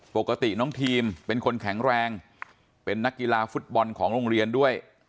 ปกติน้องทีมเป็นคนแข็งแรงเป็นนักกีฬาฟุตบอลของโรงเรียนด้วย